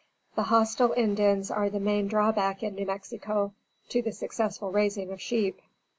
The hostile Indians are the main drawback in New Mexico, to the successful raising of sheep.